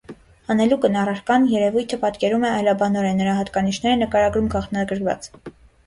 Հանելուկն առարկան, երևույթը պատկերում է այլաբանորեն, նրա հատկանիշները նկարագրում գաղտնագրված։